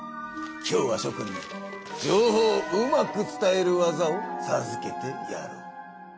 今日はしょ君に情報をうまく伝える技をさずけてやろう。